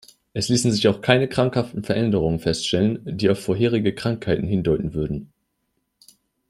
Es ließen sich auch keine krankhaften Veränderungen feststellen, die auf vorherige Krankheiten hindeuten würden.